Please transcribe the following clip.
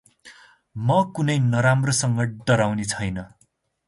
म कुनै नराम्रोसँग डराउने छैन।